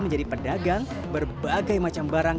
menjadi pedagang berbagai macam barang